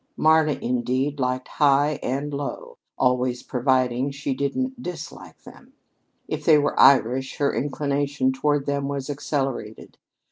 Marna, indeed, liked high and low always providing she didn't dislike them. If they were Irish, her inclination toward them was accelerated.